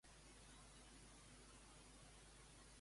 Ell estima la seva muller Helena.